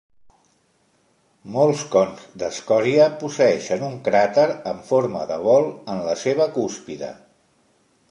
Molts cons d'escòria posseeixen un cràter amb forma de bol en la seva cúspide.